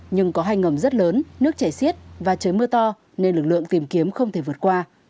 nhưng có hai ngầm rất lớn nước chảy xiết và trời mưa to nên lực lượng tìm kiếm không thể vượt qua